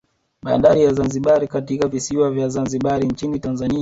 Bandari ya Zanzibar katika visiwa vya Zanzibari nchini Tanzania